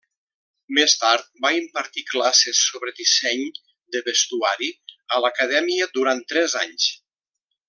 Més tard va impartir classes sobre disseny de vestuari a l'Acadèmia durant tres anys.